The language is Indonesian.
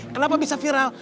kenapa bisa viral